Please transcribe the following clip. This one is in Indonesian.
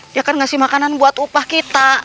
dia akan memberikan makanan untuk upah kita